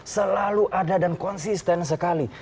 selalu ada dan konsisten sekali